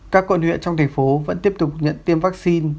các quận huyện trong thành phố vẫn tiếp tục nhận tiêm vaccine